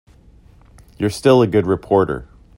You're still a good reporter.